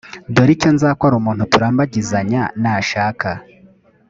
dore icyo nzakora umuntu turambagizanya nashaka